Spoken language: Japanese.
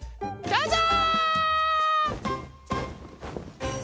どうぞ！